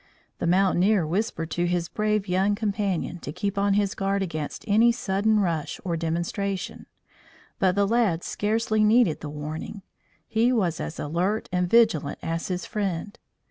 The mountaineer whispered to his brave young companion to keep on his guard against any sudden rush or demonstration. But the lad scarcely needed the warning. He was as alert and vigilant as his friend.